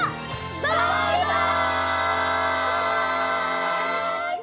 バイバイ！